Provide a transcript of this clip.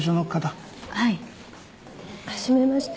はい。初めまして。